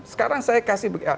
sekarang saya kasih